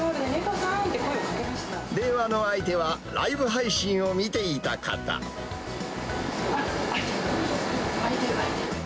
今、電話の相手はライブ配信を見あっ、空いてる、空いてる。